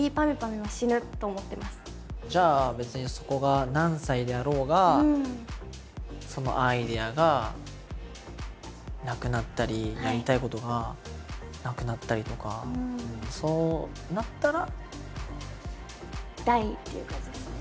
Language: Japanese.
じゃあ別にそこが何歳であろうがアイデアがなくなったりやりたいことがなくなったりとかそうなったら？